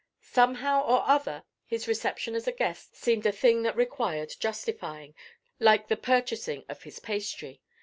Somehow or other, his reception as a guest seemed a thing that required justifying, like the purchasing of his pastry.